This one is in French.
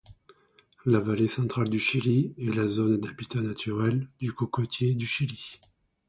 La vallée centrale du Chili est la zone d'habitat naturel du cocotier du Chili.